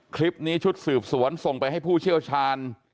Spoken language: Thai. คลิปนี้ชุดสืบสวนส่งไปให้ผู้เชี่ยวชาญ